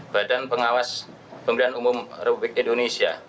badan pengawas pemilihan umum republik indonesia